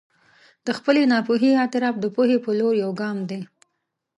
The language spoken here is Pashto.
د خپلې ناپوهي اعتراف د پوهې په لور یو ګام دی.